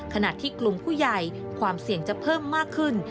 ขณะที่กลุ่มผู้ใหญ่ความเสี่ยงจะเพิ่มมากขึ้น